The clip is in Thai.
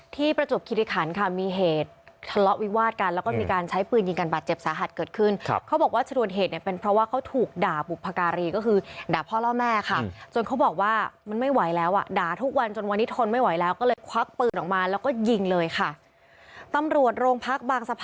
ประจวบคิริคันค่ะมีเหตุทะเลาะวิวาดกันแล้วก็มีการใช้ปืนยิงกันบาดเจ็บสาหัสเกิดขึ้นครับเขาบอกว่าชนวนเหตุเนี่ยเป็นเพราะว่าเขาถูกด่าบุพการีก็คือด่าพ่อล่อแม่ค่ะจนเขาบอกว่ามันไม่ไหวแล้วอ่ะด่าทุกวันจนวันนี้ทนไม่ไหวแล้วก็เลยควักปืนออกมาแล้วก็ยิงเลยค่ะตำรวจโรงพักบางสะพาน